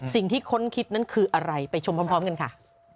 ค้นคิดนั้นคืออะไรไปชมพร้อมกันค่ะ